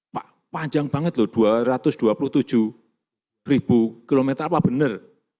pak panjang banget loh dua ratus dua puluh tujuh ribu kilometer apa benar